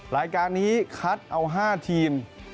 รายการนี้คัดเอา๕ทีม